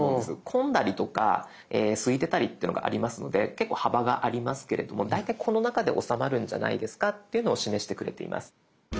混んだりとかすいてたりっていうのがありますので結構幅がありますけれども大体この中で収まるんじゃないですかっていうのを示してくれています。